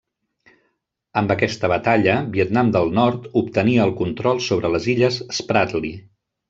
Amb aquesta batalla, Vietnam del Nord obtenia el control sobre les Illes Spratly.